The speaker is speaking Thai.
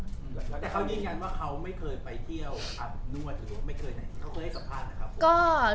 แต่เขายืนยันว่าเขาไม่เคยไปเที่ยวอาบนวดหรือไม่เคยให้สัมภาษณ์หรือครับ